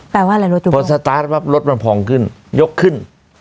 แปลว่าอะไรรู้ไหมพอสตาร์ทปั๊บรถมันพองขึ้นยกขึ้น